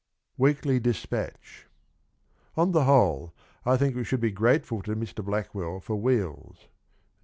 100 WEEKLY DISPATCH. On the whole, I think we should be grateful to Mr. Blackwell for ' Wheels